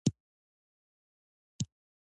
د مومن خان جنازه یې راخیستې ده.